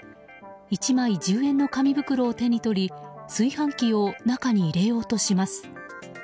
１枚１０円の紙袋を手に取り炊飯器を中に入れようとします。